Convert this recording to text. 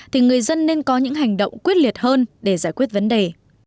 thì người dân nên có những hành động quyết liệt hơn để giải quyết vấn đề